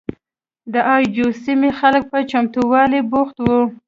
د اي جو سیمې خلک په چمتوالي بوخت وو.